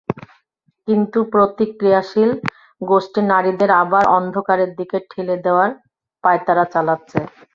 কিন্তু প্রতিক্রিয়াশীল গোষ্ঠী নারীদের আবার অন্ধকারের দিকে ঠেলে দেওয়ার পাঁয়তারা চালাচ্ছে।